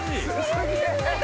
すげえ。